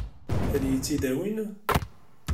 Ad iyi-tt-id-awin?